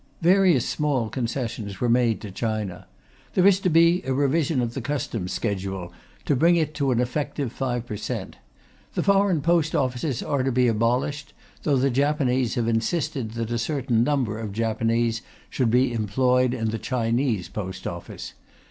Various small concessions were made to China. There is to be a revision of the Customs Schedule to bring it to an effective five per cent. The foreign Post Offices are to be abolished, though the Japanese have insisted that a certain number of Japanese should be employed in the Chinese Post Office.